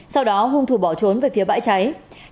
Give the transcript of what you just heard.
sau đó hung thủ bỏ trốn về phía bãi cháy